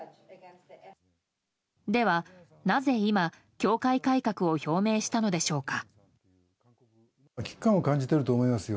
では、なぜ今教会改革を表明したのでしょうか。